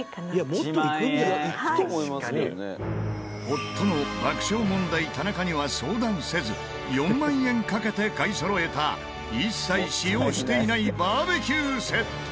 夫の爆笑問題田中には相談せず４万円かけて買いそろえた一切使用していないバーベキューセット。